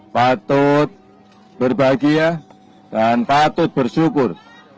patut berbahagia dan patut bersyukur